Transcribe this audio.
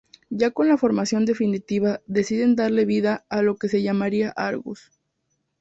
Ya con la formación definitiva deciden darle vida a lo que se llamaría Argus.